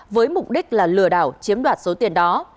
với mục đích là lừa đảo chiếm đoạt số tiền đó